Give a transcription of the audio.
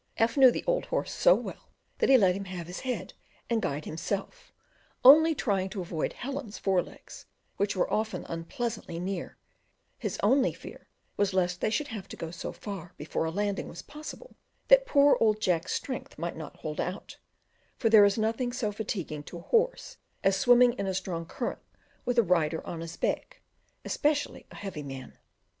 F knew the old horse so well that he let him have his head and guide himself, only trying to avoid Helen's forelegs, which were often unpleasantly near; his only fear was lest they should have to go so far before a landing was possible that poor old Jack's strength might not hold out, for there is nothing so fatiguing to a horse as swimming in a strong current with a rider on his back, especially a heavy man.